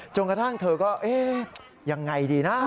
กระทั่งเธอก็เอ๊ะยังไงดีนะ